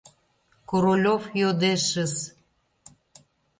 Королёв йодешыс!